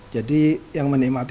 jadi yang menikmati